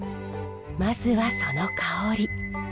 まずはその香り。